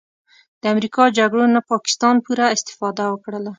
د امریکا جګړو نه پاکستان پوره استفاده وکړله